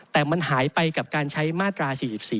แต่มันหายไปกับการใช้มาตรา๔๔